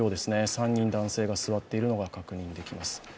３人男性が座っているのが確認できます。